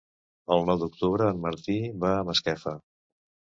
El nou d'octubre en Martí va a Masquefa.